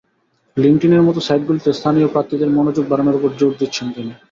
লিংকডইনের মতো সাইটগুলোতে স্থানীয় প্রার্থীদের মনোযোগ বাড়ানোর ওপর জোর দিচ্ছেন তিনি।